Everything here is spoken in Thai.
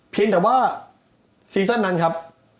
เพียงแต่ว่าซีซั่นนั้นครับ